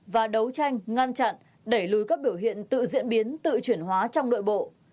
và đấu tranh ngăn chặn đẩy lùi các biểu hiện tự diễn biến tự chuyển hóa trong nội bộ